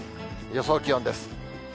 予想気温です。